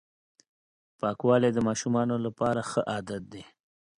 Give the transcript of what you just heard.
پاکوالی د ماشومانو لپاره ښه عادت دی.